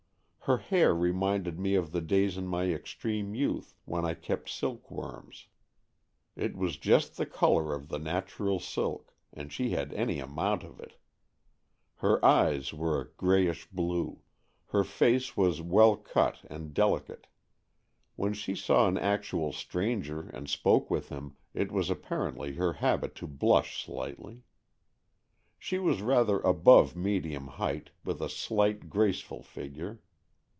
Her hair reminded me of the days in my extreme youth, when I kept silkworms; it was just the colour of the natural silk, and she had any amount of it. Her eyes were a greyish blue. Her face was well cut and AN EXCHANGE OF SOULS 47 delicate. When she saw an actual stranger and spoke with him, it was apparently her habit to blush slightly. She was rather above medium height, with a slight graceful figure.